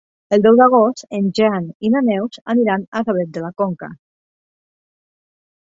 El deu d'agost en Jan i na Neus aniran a Gavet de la Conca.